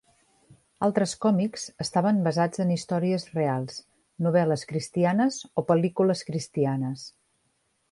Altres còmics estaven basats en històries reals, novel·les cristianes o pel·lícules cristianes.